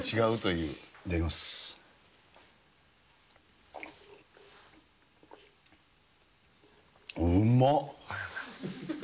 うまっ。